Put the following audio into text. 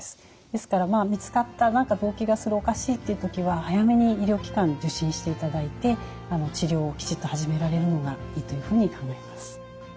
ですから見つかった何か動悸がするおかしいという時は早めに医療機関受診していただいて治療をきちっと始められるのがいいというふうに考えます。